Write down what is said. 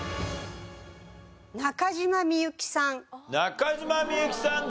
中島みゆきさん